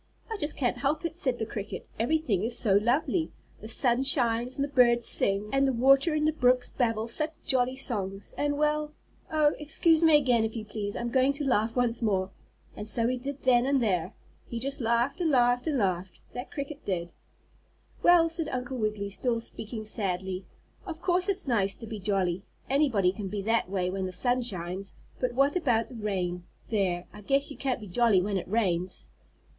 "I just can't help it," said the cricket. "Everything is so lovely. The sun shines, and the birds sing, and the water in the brooks babble such jolly songs, and well Oh, excuse me again if you please, I'm going to laugh once more," and so he did then and there. He just laughed and laughed and laughed, that cricket did. "Well," said Uncle Wiggily, still speaking sadly, "of course it's nice to be jolly, anybody can be that way when the sun shines, but what about the rain? There! I guess you can't be jolly when it rains."